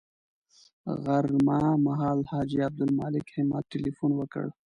غرمه مهال حاجي عبدالمالک همت تیلفون وکړ.